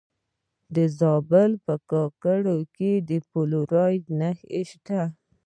د زابل په کاکړ کې د فلورایټ نښې شته.